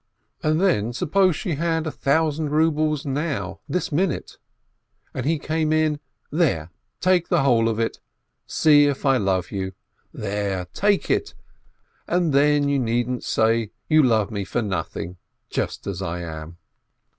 504 ASCH And then suppose she had a thousand rubles now, this minute, and he came in: "There, take the whole of it, see if I love you! There, take it, and then you needn't say you love me for nothing, just as I am."